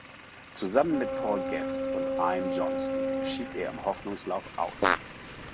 Zusammen mit Paul Guest und Ian Johnston schied er im Hoffnungslauf aus.